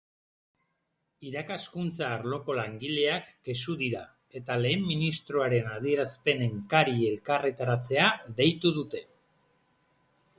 Irakaskuntza arloko langileak kexu dira eta lehen ministroaren adierazpenen kari elkarretaratzea deitu dute.